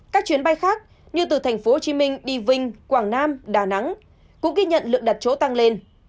các chuyến bay khác như từ tp hcm đi vinh quảng nam đà nẵng cũng ghi nhận lượng đặt chỗ tăng lên